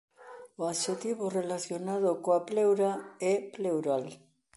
O adxectivo relacionado coa "pleura" é pleural.